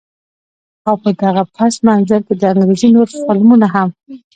او په دغه پس منظر کښې د انګرېزي نور فلمونه هم